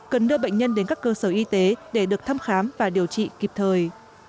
cần đưa bệnh nhân đến các cơ sở y tế để được thăm khám và điều trị kịp thời